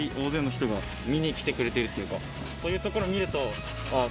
そういうところ見ると。